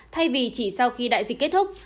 thay vì chỉ sau khi đại dịch kết thúc